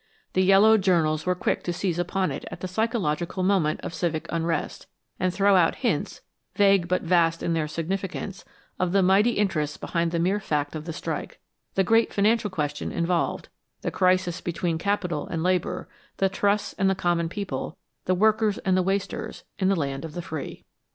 The yellow journals were quick to seize upon it at the psychological moment of civic unrest, and throw out hints, vague but vast in their significance, of the mighty interests behind the mere fact of the strike, the great financial question involved, the crisis between capital and labor, the trusts and the common people, the workers and the wasters, in the land of the free.